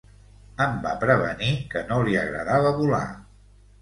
Em va prevenir que no li agradava volar.